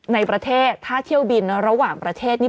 ในประเทศถ้าเที่ยวบินระหว่างประเทศนี่